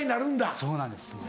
そうなんですもう。